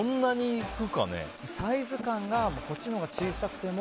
サイズ感がこっちのほうが小さくても。